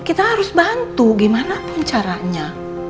kita harus bantu gimana pun caranya